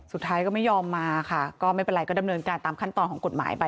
สุดท้ายก็ไม่ยอมมาค่ะก็ไม่เป็นไรก็ดำเนินการตามขั้นตอนของกฎหมายไป